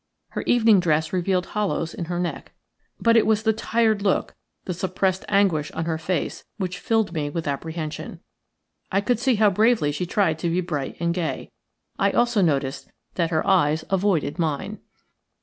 Her evening dress revealed hollows in her neck. But it was the tired look, the suppressed anguish on her face, which filled me with apprehension. I could see how bravely she tried to be bright and gay. I also noticed that her eyes avoided mine.